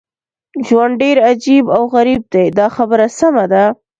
ژوند ډېر عجیب او غریب دی دا خبره سمه ده.